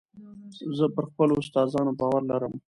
زه پر خپلو استادانو باور لرم.